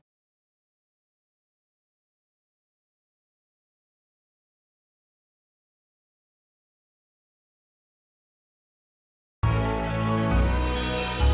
mengacau sama kita gitu perasaanku